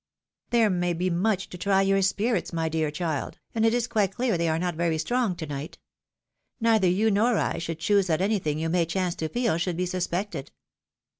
" There may be much to try your spirits, my dear child, and it is quite clear they are not very strong to night. Neither you nor I should choose that anything you may chance to feel should be suspected."